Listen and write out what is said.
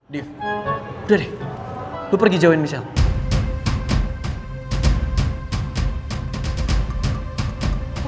dewi udah deh lo pergi jauhin michelle